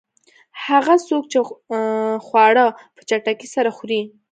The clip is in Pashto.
هغه څوک چې خواړه په چټکۍ سره خوري.